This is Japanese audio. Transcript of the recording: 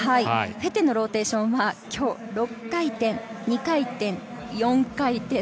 フェッテのローテーションは今日、６回転、２回転、４回転。